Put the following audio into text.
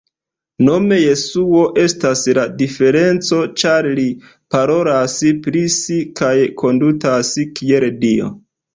Nome Jesuo estas la diferenco ĉar li parolas pri si kaj kondutas kiel Dio!